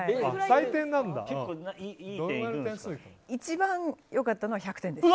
一番良かったのは１００点です。